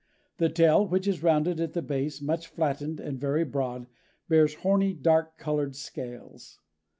The tail, which is rounded at the base, much flattened and very broad, bears horny, dark colored scales.